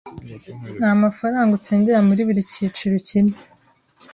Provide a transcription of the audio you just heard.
n’amafaranga utsindira muri buri cyiciro ukinnye